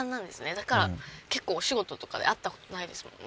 だから結構お仕事とかで会った事ないですもんね。